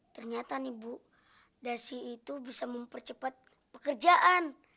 ternyata nih bu dasi itu bisa mempercepat pekerjaan